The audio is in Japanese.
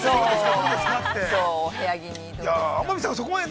どうですかって。